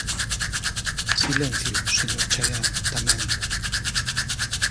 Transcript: Silencio, señor Chaián, tamén.